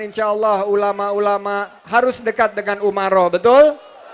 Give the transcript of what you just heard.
insya allah ulama ulama harus dekat dengan umaroh betul